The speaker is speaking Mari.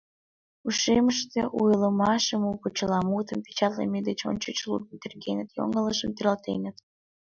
Ушемыште у ойлымашым, у почеламутым печатлыме деч ончыч лудын тергеныт, йоҥылышым тӧрлатеныт.